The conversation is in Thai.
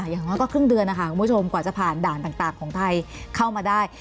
อย่างน้อยก็ครึ่งเดือนนะคะคุณผู้ชมกว่าจะผ่านด่านต่างของไทยเข้ามาได้